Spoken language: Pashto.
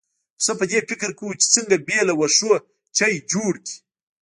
پسه په دې فکر کې و چې څنګه بې له واښو چای جوړ کړي.